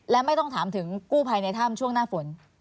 และไม่ต้องถามถึงกู้ภัยในถ้ำช่วงหน้าฝน